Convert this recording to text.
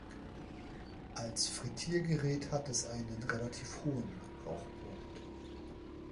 Als Frittiergerät hat es einen relativ hohen Rauchpunkt.